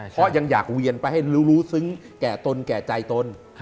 เพราะยังอยากเวียนไปให้รู้ซึ้งแก่ตนแก่ใจตน